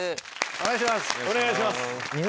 お願いします。